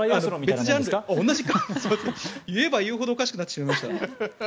言えば言うほどおかしくなってしまいました。